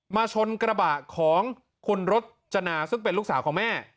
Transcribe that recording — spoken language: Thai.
ชนกระบะของคุณรจนาซึ่งเป็นลูกสาวของแม่